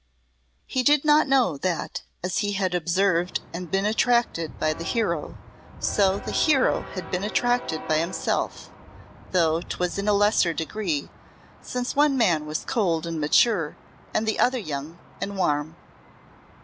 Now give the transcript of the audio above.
He did not know that, as he had observed and been attracted by the hero, so the hero had been attracted by himself, though 'twas in a lesser degree, since one man was cold and mature and the other young and warm.